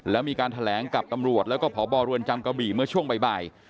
แล้วมีการแถลงกับตำรวจแล้วก็พบเรือนจำกระบี่เมื่อช่วงบ่าย